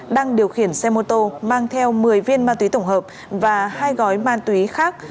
đang điều khiển xe mô tô mang theo một mươi viên ma túy tổng hợp và hai gói ma túy khác